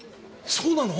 そうなの？